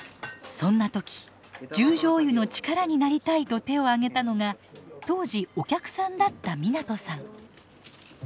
そんな時「十條湯の力になりたい」と手を挙げたのが当時お客さんだった湊さん。